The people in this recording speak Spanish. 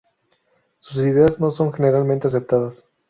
Sus ideas no son generalmente aceptadas.